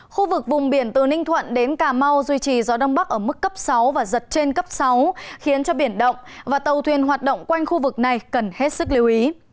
khu vực vùng biển từ ninh thuận đến cà mau duy trì gió đông bắc ở mức cấp sáu và giật trên cấp sáu khiến cho biển động và tàu thuyền hoạt động quanh khu vực này cần hết sức lưu ý